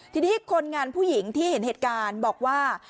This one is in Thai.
ทีนี้คนงานผู้หญิงที่เห็นเหตุการณ์บอกว่า